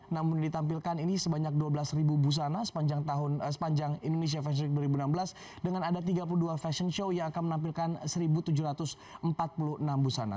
namun ditampilkan ini sebanyak dua belas busana sepanjang tahun sepanjang indonesia fashion week dua ribu enam belas dengan ada tiga puluh dua fashion show yang akan menampilkan satu tujuh ratus empat puluh enam busana